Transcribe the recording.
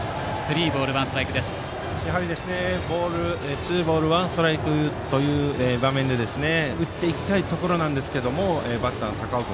ツーボールワンストライクの場面で打っていきたいところですがバッターの高尾君